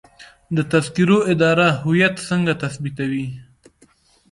د تذکرو اداره هویت څنګه تثبیتوي؟